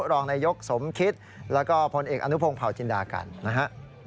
รองนายกสมคิตแล้วก็พลเอกอนุพงศ์เผาจินดากันนะฮะ